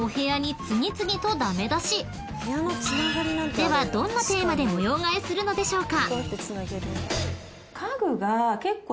［ではどんなテーマで模様替えするのでしょうか？］